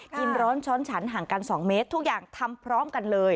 กินร้อนช้อนฉันห่างกัน๒เมตรทุกอย่างทำพร้อมกันเลย